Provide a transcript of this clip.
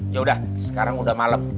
ya udah sekarang udah malem